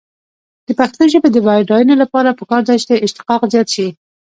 د پښتو ژبې د بډاینې لپاره پکار ده چې اشتقاق زیات شي.